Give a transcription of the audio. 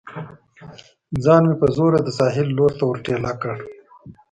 ځان مې په زوره د ساحل لور ته ور ټېله کړ.